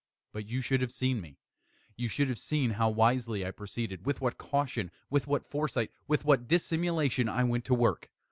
But you should have seen me. You should have seen how wisely I proceeded with what caution with what foresight with what dissimulation I went to work!